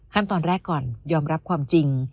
ขั้นตอนแรกก่อนยอมรับความจริง